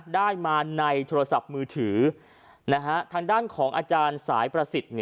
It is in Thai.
ได้มาในโทรศัพท์มือถือทางด้านของอาจารย์สายประสิทธิ์